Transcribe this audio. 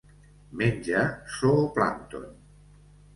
Menja zooplàncton.